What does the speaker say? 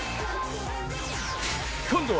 今度は。